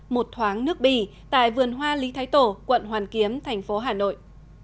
một thoáng nước bỉ tại vườn hoa lý thái tổ quận hoàn kiếm thành phố hà nội